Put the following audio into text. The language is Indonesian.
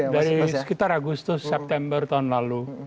dari sekitar agustus september tahun lalu